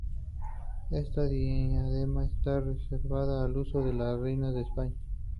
Esta diadema está reservada al uso de las reinas de España.